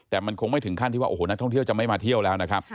แต่มันคงไม่ถึงขั้นที่ว่าโอ้โหนักท่องเที่ยวจะไม่มาเที่ยวแล้วนะครับ